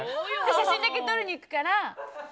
写真だけ撮りに行くから。